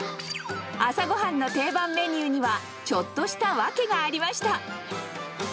朝ごはんの定番メニューには、ちょっとした訳がありました。